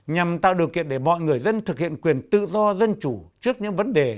nhằm tạo điều kiện để mọi người dân thực hiện quyền tự do dân chủ trước những vấn đề